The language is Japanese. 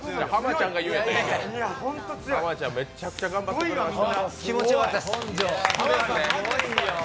濱ちゃん、めちゃくちゃ頑張ってくれました。